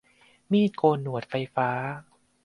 มีดโกนหนวดไฟฟ้า